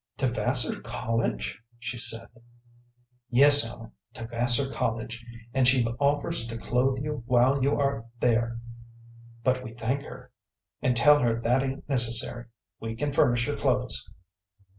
"To Vassar College?" she said. "Yes, Ellen, to Vassar College, and she offers to clothe you while you are there, but we thank her, and tell her that ain't necessary. We can furnish your clothes."